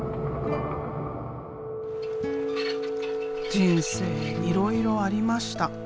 人生いろいろありました。